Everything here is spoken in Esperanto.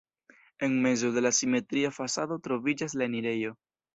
En mezo de la simetria fasado troviĝas la enirejo.